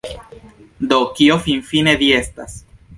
Do, kio finfine vi estas?